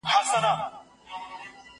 هغه څوک چي پلان جوړوي منظم وي